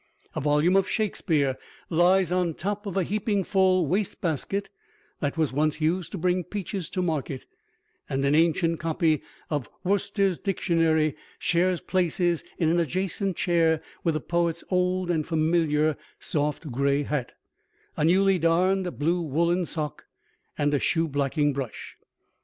A volume of Shakespeare lies on top of a heaping full waste basket that was once used to bring peaches to market, and an ancient copy of Worcester's Dictionary shares places in an adjacent chair with the poet's old and familiar soft gray hat, a newly darned blue woolen sock and a shoe blacking brush.